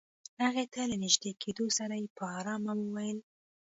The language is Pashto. هغې ته له نژدې کېدو سره يې په آرامه وويل.